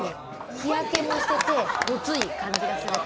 日焼けもしてて、ごつい感じがする。